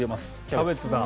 キャベツだ。